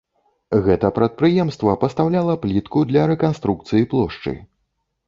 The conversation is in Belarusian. Гэта прадпрыемства пастаўляла плітку для рэканструкцыі плошчы.